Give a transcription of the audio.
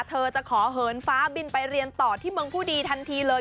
เธอจะขอเหินฟ้าบินไปเรียนต่อที่เมืองผู้ดีทันทีเลย